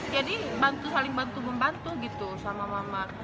jadi bantu saling bantu membantu gitu sama mama